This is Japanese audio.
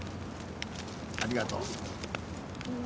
ありがとう。